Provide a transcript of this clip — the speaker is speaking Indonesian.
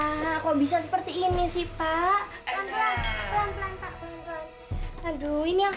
aduh bapak kok bisa seperti ini sih pak aduh ini yang sakit yang mana biar ayah pijat yang ini